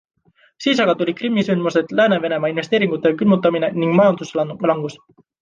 Siis aga tulid Krimmi sündmused, lääne Venemaa-investeeringute külmutamine ning majanduslangus.